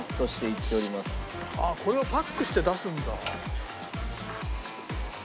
あっこれをパックして出すんだ。